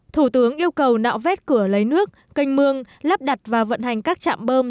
thủ tướng yêu cầu nạo vét cửa lấy nước canh mương lắp đặt và vận hành các trạm bơm